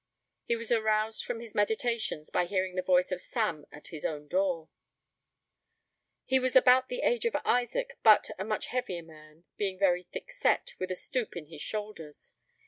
He was aroused from his meditations by hearing the voice of Sam at his own door. He was about the age of Isaac, but a much heavier man, being very thick set, with a stoop in his shoulders.